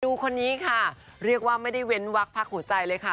คนนี้ค่ะเรียกว่าไม่ได้เว้นวักพักหัวใจเลยค่ะ